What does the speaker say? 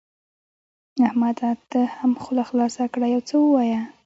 احمده ته هم خوله خلاصه کړه؛ يو څه ووايه.